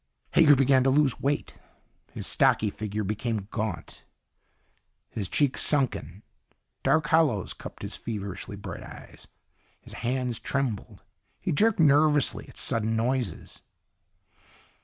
Hager began to lose weight. His stocky figure became gaunt, his cheeks sunken. Dark hollows cupped his feverishly bright eyes. His hands trembled. He jerked nervously at sudden noises.